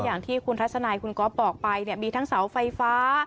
อย่างที่คุณทัศนายคุณก๊อฟบอกไปเนี่ยมีทั้งเสาไฟฟ้า